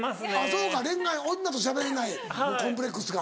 そうか恋愛女としゃべれないもコンプレックスか。